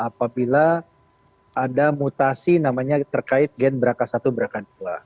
apabila ada mutasi namanya terkait gen braka satu braka dua